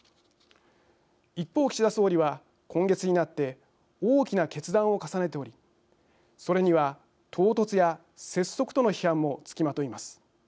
一方、岸田総理は、今月になって大きな決断を重ねておりそれには唐突や拙速との批判も付きまといます。